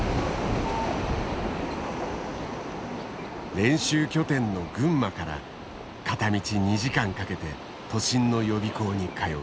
練習拠点の群馬から片道２時間かけて都心の予備校に通う。